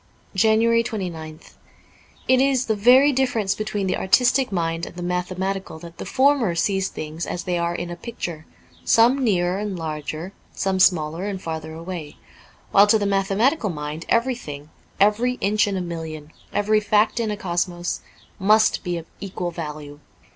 ^ 29 JANUARY 29th IT is the very difference between the artistic mind and the mathematical that the former sees things as they are in a picture, some nearer and larger, some smaller and farther away : while to the mathematical mind everything, every inch in a million, every fact in a cosmos, must be of equal value.